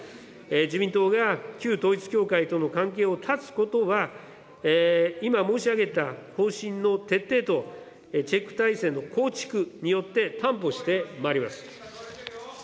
自民党が旧統一教会との関係を断つことは、今、申し上げた方針の徹底とチェック体制の構築によって担保してまいります。